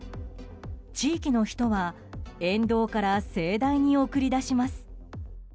地域の人は沿道から盛大に送り出します。